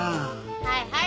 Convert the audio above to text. はいはい！